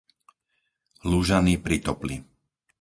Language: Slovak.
Lužany pri Topli